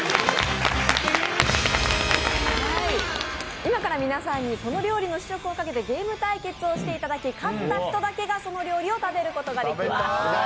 今から皆さんにこの料理の試食をかけてゲーム対決をしていただき勝った人だけがその料理を食べることができます。